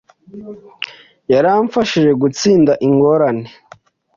Yaramfashije gutsinda ingorane.